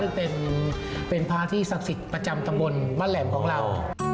ซึ่งเป็นพระที่ศักดิ์สิทธิ์ประจำตำบลบ้านแหลมของเรา